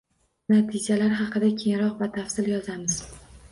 Natijalar haqida keyinroq batafsil yozamiz.